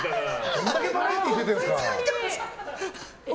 どんだけバラエティー出てるんですか。